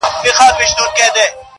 سهار زه ومه بدنام او دی نېکنامه,